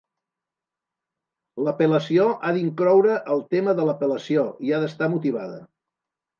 L'apel·lació ha d'incloure el tema de l'apel·lació i ha d'estar motivada.